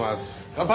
乾杯！